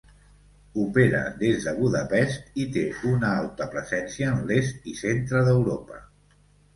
Opera des de Budapest i té una alta presència en l'est i centre d'Europa.